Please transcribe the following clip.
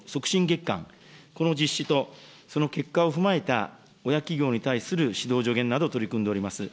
月間、この実施と、その結果を踏まえた、親企業に対する指導、助言など取り組んでおります。